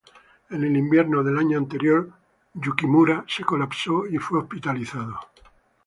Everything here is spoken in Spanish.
En el invierno del año anterior, Yukimura se colapsó y fue hospitalizado.